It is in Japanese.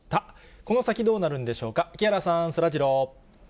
この先どうなるんでしょうか、木原さん、そらジロー。